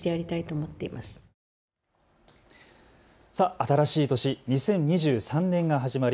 新しい年、２０２３年が始まり